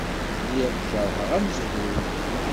Lliɣ keṛheɣ amezruy.